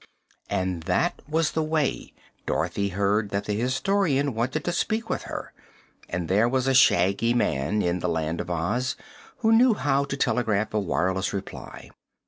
And that was the way Dorothy heard that the Historian wanted to speak with her, and there was a Shaggy Man in the Land of Oz who knew how to telegraph a wireless reply.